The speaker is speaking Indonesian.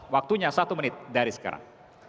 waktunya satu menit dari sekarang